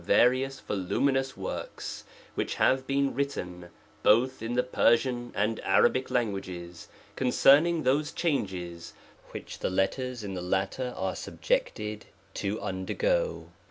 various voluminous wor^ks, >Vhich have been written both in the Persian and Arabic languages concerning those changes which the letters in the latter are subjected to undergo.